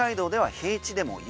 平地でも雪